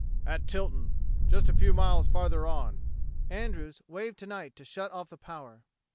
"At Tilton just a few miles farther on." Andrews waved to Knight to shut off the power.